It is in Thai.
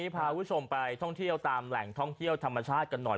พาคุณผู้ชมไปท่องเที่ยวตามแหล่งท่องเที่ยวธรรมชาติกันหน่อย